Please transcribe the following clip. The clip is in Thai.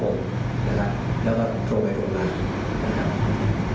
และก็โครงแบบโรงพลัง